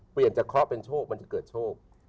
เปลี่ยนจากเคราะห์เป็นโชคมันจะเกิดโชค